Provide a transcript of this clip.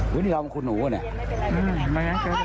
หุ้ยนี่เป็นคุณหมูนะ